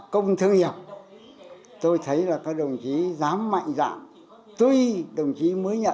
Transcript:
công chức và chỉ huấn luyện chấn nhiên nhấn vào những vấn đề này